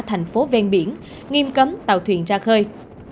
thành phố ven biển nghiêm cấm tàu thuyền ra khơi